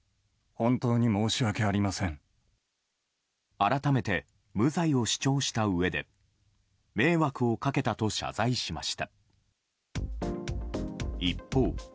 改めて無罪を主張したうえで迷惑をかけたと謝罪しました。